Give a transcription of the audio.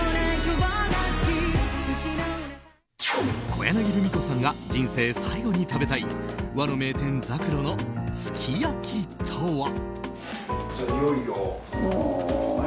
小柳ルミ子さんが人生最後に食べたい和の名店・ざくろのすき焼きとは。